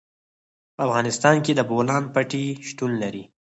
په افغانستان کې د بولان پټي شتون لري.